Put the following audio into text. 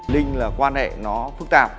linh là quan hệ nó phức tạp